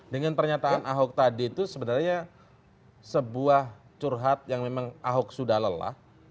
dengan pernyataan ahok tadi itu sebenarnya sebuah curhat yang memang ahok sudah lelah